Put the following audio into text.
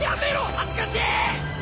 恥ずかしい！